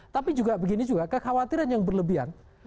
tapi juga begini juga kekhawatiran yang berlebihan